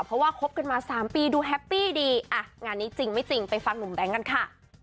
เพราะว่าคบกันมา๓ปีดูแฮปปี้ดีอ่ะงานนี้จริงไม่จริงไปฟังหนุ่มแบงค์กันค่ะ